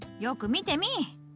よく見てみい。